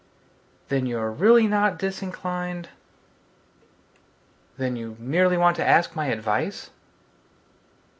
Then you're really not disinclined? Then you merely want to ask my advice?